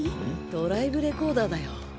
ドライブレコーダーだよ。